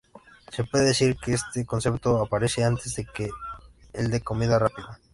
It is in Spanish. Se puede decir que este concepto aparece antes que el de comida rápida.